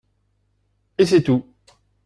Et c'est tout